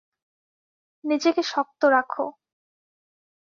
নিজেকে শক্ত রাখো।